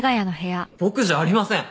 僕じゃありません！